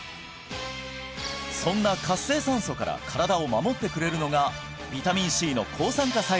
そんな活性酸素から身体を守ってくれるのがビタミンＣの抗酸化作用